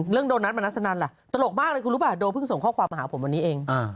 เรื่องโดนัทสนันทล่ะตลกมากเลยอาจรู้ป่ะโดพึ่งส่งข้อความมาหาผมกับเซอร์ย์